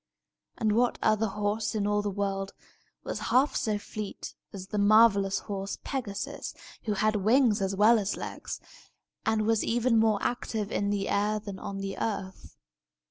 And what other horse in all the world was half so fleet as the marvellous horse Pegasus, who had wings as well as legs, and was even more active in the air than on the earth?